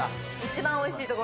一番おいしい所。